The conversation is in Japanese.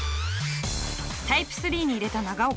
タイプ３に入れた長岡。